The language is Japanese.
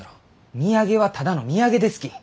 土産はただの土産ですき！